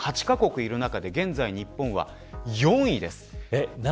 ８カ国いる中で現在日本は４位です。